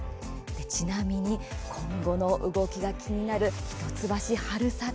ちなみに、今後の動きが気になる一橋治済。